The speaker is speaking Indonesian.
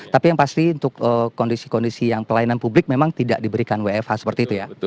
tapi yang pasti untuk kondisi kondisi yang pelayanan publik memang tidak diberikan wfh seperti itu ya